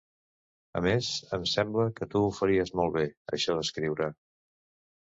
A més, em sembla que tu ho faries molt bé, això d'escriure.